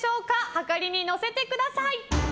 はかりに乗せてください。